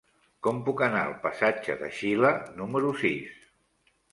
Com puc anar al passatge de Xile número sis?